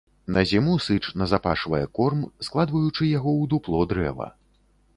На зіму сыч назапашвае корм, складваючы яго ў дупло дрэва.